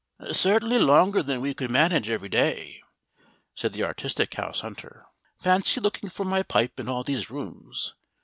"Certainly longer than we could manage every day," said the artistic house hunter. "Fancy looking for my pipe in all these rooms.